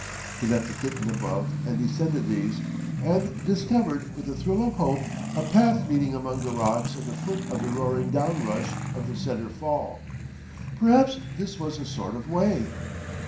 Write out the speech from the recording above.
He left the kitten above and descended these, and discovered with a thrill of hope a path leading among the rocks at the foot of the roaring downrush of the Centre Fall. Perhaps this was a sort of way!